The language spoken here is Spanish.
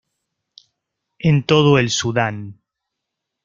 En todo el Sudán.